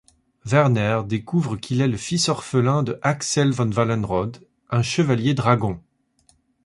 Werner découvre qu'il est le fils orphelin de Axel von Wallenrod, un Chevalier dragon.